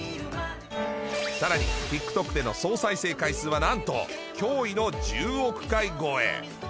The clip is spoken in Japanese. さらにティックトックでの総再生回数は何と驚異の１０億回超え。